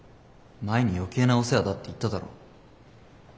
前に余計なお世話だって言っただろ。